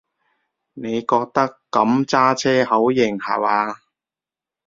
你覺得噉揸車好型下話？